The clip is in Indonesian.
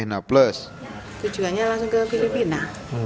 tujuannya langsung ke filipina